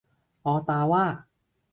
ออตาว่า